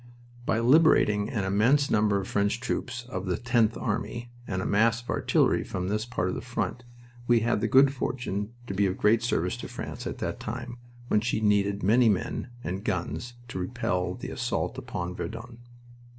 By liberating an immense number of French troops of the Tenth Army and a mass of artillery from this part of the front, we had the good fortune to be of great service to France at a time when she needed many men and guns to repel the assault upon Verdun.